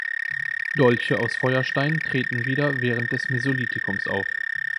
Dolche aus Feuerstein treten wieder während des Mesolithikums auf.